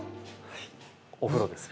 お風呂ですね。